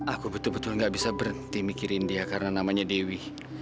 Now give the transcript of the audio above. aku betul betul gak bisa berhenti mikirin dia karena namanya dewi